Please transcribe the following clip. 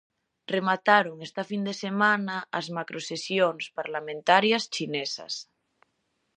Remataron esta fin de semana as macrosesións parlamentarias chinesas.